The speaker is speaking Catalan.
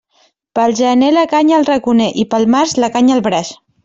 Pel gener la canya al raconer i pel març la canya al braç.